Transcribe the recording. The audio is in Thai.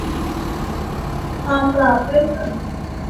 ความปลาบปลื้ม